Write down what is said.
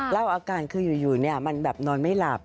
แล้วอาการคืออยู่มันแบบนอนไม่หลับ